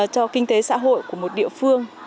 cho kinh tế xã hội của một địa phương